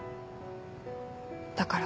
だから。